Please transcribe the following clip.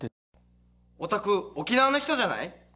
おたく沖縄の人じゃない？